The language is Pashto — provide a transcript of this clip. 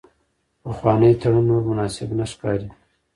پخوانی تړون نور مناسب نه ښکاري.